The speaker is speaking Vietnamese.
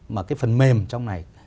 mà cái phần mềm trong này